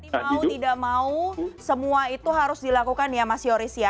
tapi mau tidak mau semua itu harus dilakukan ya mas yoris ya